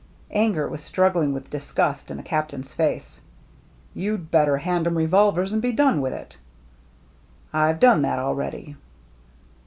Anger was struggling with disgust in the Captain's face. "You'd better hand 'em re volvers and be done with it." " I've done that already."